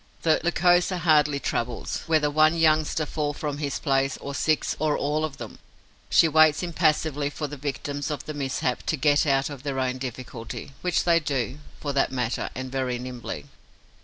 The Lycosa hardly troubles, whether one youngster fall from his place, or six, or all of them. She waits impassively for the victims of the mishap to get out of their own difficulty, which they do, for that matter, and very nimbly.